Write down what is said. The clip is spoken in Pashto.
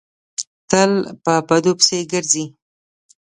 تل په بدو پسې ګرځي.